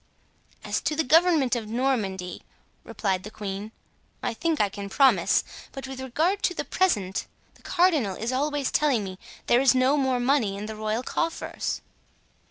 "As to the government of Normandy," replied the queen, "I think I can promise; but with regard to the present, the cardinal is always telling me there is no more money in the royal coffers."